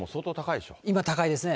今、高いですね。